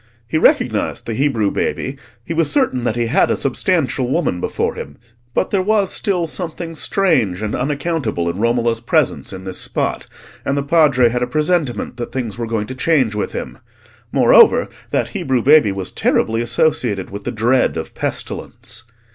He recognised the Hebrew baby, he was certain that he had a substantial woman before him; but there was still something strange and unaccountable in Romola's presence in this spot, and the Padre had a presentiment that things were going to change with him. Moreover, that Hebrew baby was terribly associated with the dread of pestilence.